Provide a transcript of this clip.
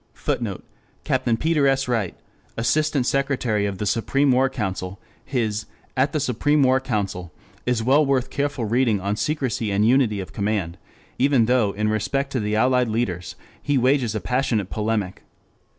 [Footnote: Captain Peter S. Wright, Assistant Secretary of the Supreme War Council, At the Supreme War Council, is well worth careful reading on secrecy and unity of command, even though in respect to the allied leaders he wages a passionate polemic.